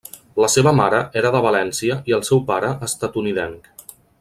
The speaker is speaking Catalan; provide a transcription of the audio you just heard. La seva mare era de València i el seu pare estatunidenc.